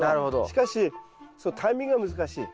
しかしそのタイミングが難しい。